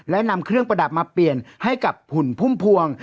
และนำเครื่องประดับมาเปลี่ยนให้กับหุ่นพุ่มพวง